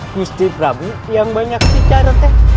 gusti prabu yang banyak bicara